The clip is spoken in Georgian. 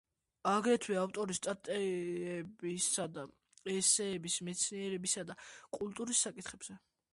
აგრეთვე ავტორი სტატიებისა და ესსეების მეცნიერებისა და კულტურის საკითხებზე.